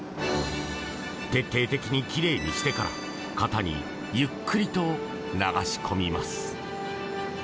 徹底的に奇麗にしてから型にゆっくりと流し込みます。